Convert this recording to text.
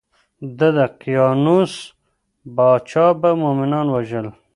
د دقیانوس پاچا به مومنان وژل.